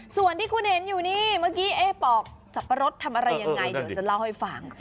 ส่วนที่คุณเห็นอยู่นี่เมื่อกี้เอ๊ปอกสับปะรดทำอะไรยังไงเดี๋ยวจะเล่าให้ฟัง